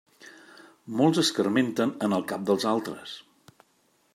Molts escarmenten en el cap dels altres.